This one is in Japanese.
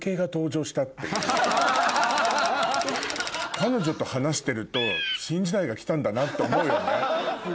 彼女と話してると新時代が来たんだなって思うよね。